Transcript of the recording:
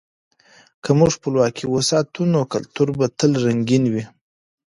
که موږ خپلواکي وساتو، نو کلتور به تل رنګین وي.